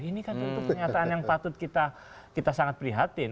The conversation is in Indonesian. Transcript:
ini kan tentu pernyataan yang patut kita sangat prihatin